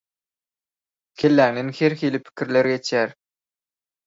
Kelläňden herhili pikirler geçýär.